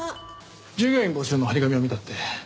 従業員募集の貼り紙を見たって。